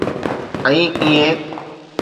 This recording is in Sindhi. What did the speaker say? ۽ ايئن.